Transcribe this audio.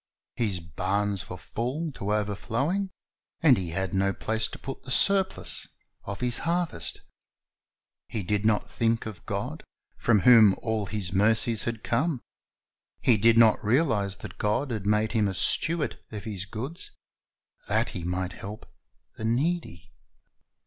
His barns were full to overflowing, and he had no place to put the surplus of his harvest. He did not think of God, from whom all his mercies had come. He did not realize that God had made him a steward of His goods, that he might help the needy.